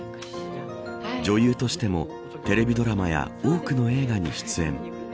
女優としてもテレビドラマや多くの映画に出演。